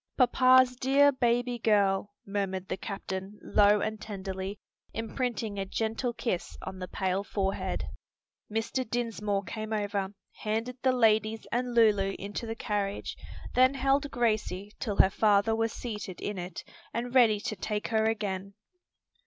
"Papa's dear baby girl!" murmured the captain low and tenderly, imprinting a gentle kiss on the pale forehead. Mr. Dinsmore came over, handed the ladies and Lulu into the carriage, then held Gracie till her father was seated in it and ready to take her again.